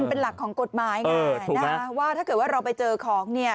เป็นหลักของกฎหมายไงนะคะว่าถ้าเกิดว่าเราไปเจอของเนี่ย